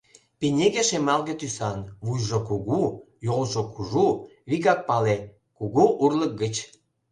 Пинеге шемалге тӱсан, вуйжо кугу, йолжо кужу, вигак пале — кугу урлык гыч.